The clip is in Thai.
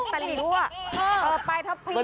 ตะหลิ่วไปทับเพีย